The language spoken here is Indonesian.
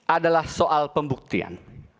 adalah soal pembuktian